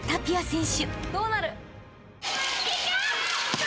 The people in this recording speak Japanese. どうなる！？